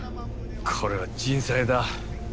これは人災だ。